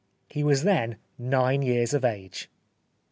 He was then nine years of age.